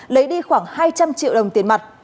lấy đi khoảng hai trăm linh triệu đồng tiền mặt